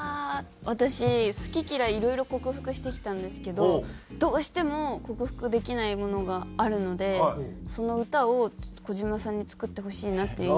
私好き嫌いいろいろ克服してきたんですけどどうしても克服できないものがあるのでその歌をちょっと小島さんに作ってほしいなっていう。